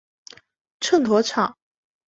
秤砣草